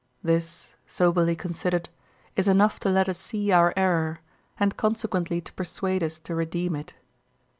This, soberly consider'd, is enough to let us see our error, and consequently to persuade us to redeem it.